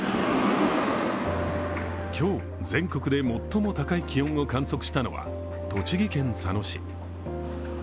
今日、全国で最も高い気温を観測したのは栃木県佐野市。